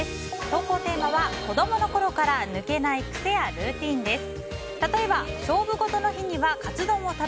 投稿テーマは子供の頃から抜けない癖やルーティンです。